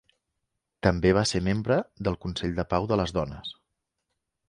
També va ser membre del Consell de pau de les dones.